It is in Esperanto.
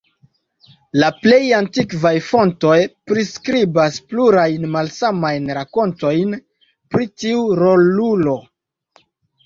La plej antikvaj fontoj priskribas plurajn malsamajn rakontojn pri tiu rolulo.